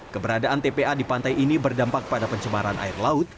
keberadaan tpa di pantai ini berdampak pada pencemaran air laut